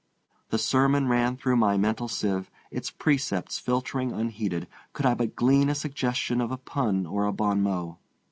The sermon ran through my mental sieve, its precepts filtering unheeded, could I but glean a suggestion of a pun or a bon mot.